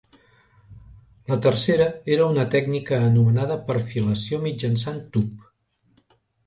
La tercera era una tècnica anomenada perfilació mitjançant tub.